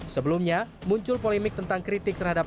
sebelumnya muncul polemik tentang kritik terhadap